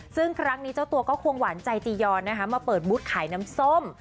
ซึ่งครั้งนี้เจ้าตัวก็ควงหวานใจจียอนนะคะมาเปิดบูธขายน้ำส้ม